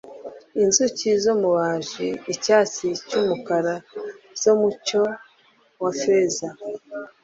inzuki zomubaji icyatsi-cy-umukara mu mucyo wa feza